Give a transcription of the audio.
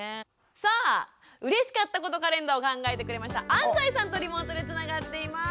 さあ「うれしかったことカレンダー」を考えてくれました安齋さんとリモートでつながっています。